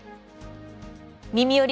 「みみより！